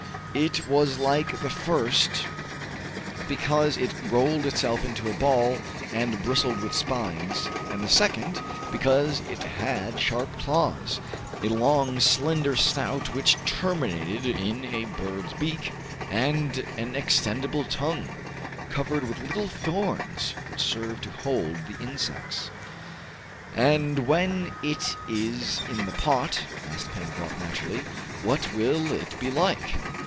It was like the first because it rolled itself into a ball, and bristled with spines, and the second because it had sharp claws, a long slender snout which terminated in a bird's beak, and an extendible tongue, covered with little thorns which served to hold the insects. "And when it is in the pot," asked Pencroft naturally, "what will it be like?"